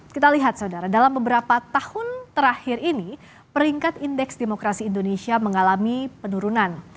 kita lihat saudara dalam beberapa tahun terakhir ini peringkat indeks demokrasi indonesia mengalami penurunan